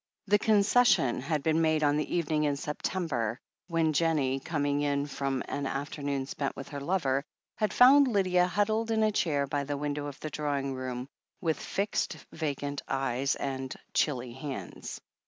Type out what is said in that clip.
The concession had been made on the evening in Sep tember, when Jennie, coming in from an afternoon spent with her lover, had found Lydia huddled in a chair by the window of the drawing room, with fixed, vacant gaze and chilly hands.